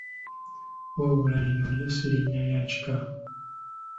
Wabula lino lyo si linnya lya kika.